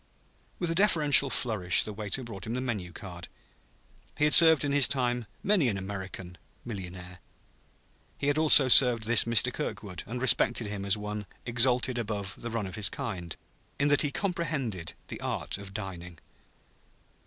With a deferential flourish the waiter brought him the menu card. He had served in his time many an "American, millionaire"; he had also served this Mr. Kirkwood, and respected him as one exalted above the run of his kind, in that he comprehended the art of dining.